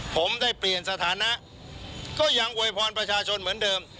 ผมได้เปลี่ยนสถานะก็ยังอวยพรประชาชนเหมือนเดิม